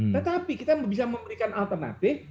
tetapi kita bisa memberikan alternatif